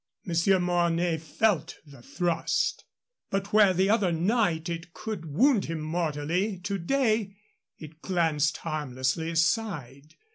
Monsieur Mornay felt the thrust. But where the other night it could wound him mortally, to day it glanced harmlessly aside.